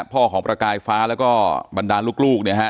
พ่อของประกายฟ้าแล้วก็บรรดาลูกเนี่ยฮะ